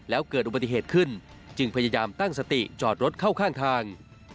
แล้วเกิดอุบัติเหตุขึ้นจึงพยายามตั้งสติจอดรถเข้าข้างทาง